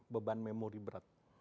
beban memori berat